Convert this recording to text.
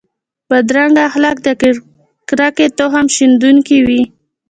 بدرنګه اخلاق د کرکې تخم شندونکي وي